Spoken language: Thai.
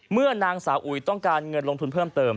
เมื่อนางสาวอุ๋ยต้องการเงินลงทุนเพิ่มเติม